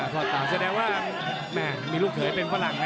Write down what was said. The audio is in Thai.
พ่อตาแสดงว่าแม่มีลูกเขยเป็นฝรั่งนะ